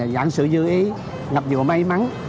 dạng sự dư ý ngập dùa may mắn